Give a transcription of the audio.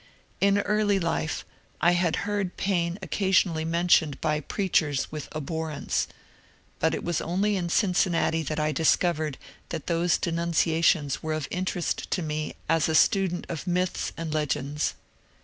In early life I had heard Paine occasionally mentioned by preachers with alfhorrence, but it was only in Cincinnati that I discovered that those denunciations were of interest to me as a student of myths and legends.